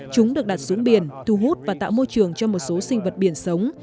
chúng được đặt xuống biển thu hút và tạo môi trường cho một số sinh vật biển sống